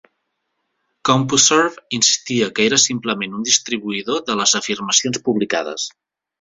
CompuServe insistia que era simplement un distribuïdor de les afirmacions publicades.